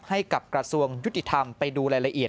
ให้กับกระทรวงยุติธรรมไปดูรายละเอียด